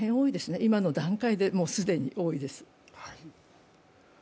今の段階でもう既に多いです。